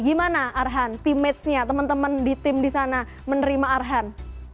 gimana arhan temage nya teman teman di tim di sana menerima arhan